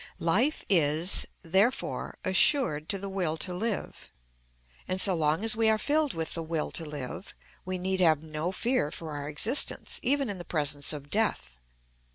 Life is, therefore, assured to the will to live; and so long as we are filled with the will to live we need have no fear for our existence, even in the presence of death.